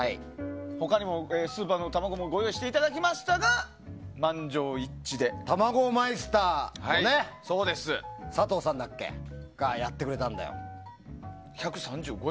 他にもスーパーの卵もご用意していただきましたが卵マイスターの佐藤さんがやってくれたんだよ。